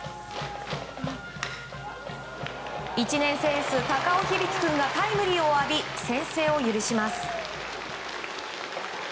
１年生エース、高尾響君がタイムリーを浴び先制を許します。